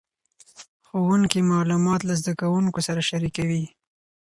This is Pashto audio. ښوونکي معلومات له زده کوونکو سره شریکوي.